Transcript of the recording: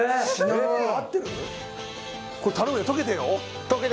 これ頼むよ溶けてよ